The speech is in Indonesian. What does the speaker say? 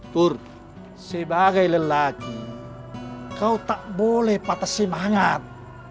turki sebagai lelaki kau tak boleh patah semangat